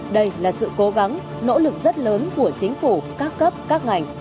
đây là sự cố gắng nỗ lực rất lớn của chính phủ các cấp các ngành